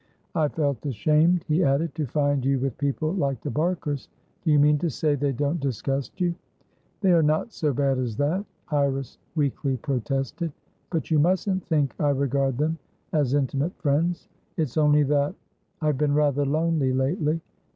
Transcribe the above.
"I felt ashamed," he added, "to find you with people like the Barkers. Do you mean to say they don't disgust you?" "They are not so bad as that," Iris weakly protested. "But you mustn't think I regard them as intimate friends. It's only thatI've been rather lonely lately.